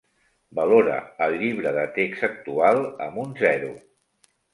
Valora el llibre de text actual amb un zero